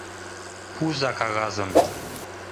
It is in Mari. Пуыза кагазым.